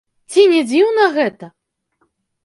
Ці не дзіўна гэта?